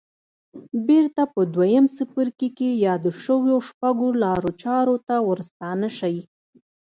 بېرته په دويم څپرکي کې يادو شويو شپږو لارو چارو ته ورستانه شئ.